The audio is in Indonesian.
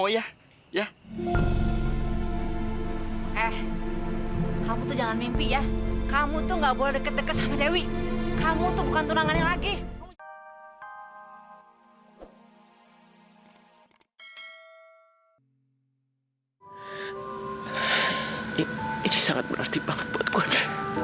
ini sangat berarti banget buat gue